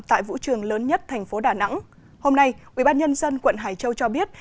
tại vũ trường lớn nhất thành phố đà nẵng hôm nay ubnd quận hải châu cho biết